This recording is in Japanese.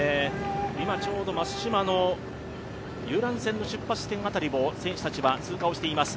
今ちょうど松島の遊覧船の出発地点辺りを選手たちは通過をしています。